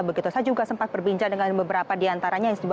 begitu saya juga sempat berbincang dengan beberapa di antaranya